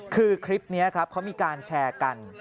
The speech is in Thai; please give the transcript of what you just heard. คือคลิปนี้ครับเขามีการแชร์กัน